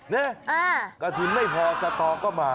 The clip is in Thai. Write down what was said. นี่กระทินไม่พอสตอก็มา